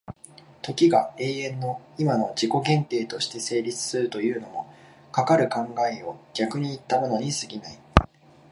時が永遠の今の自己限定として成立するというのも、かかる考を逆にいったものに過ぎない。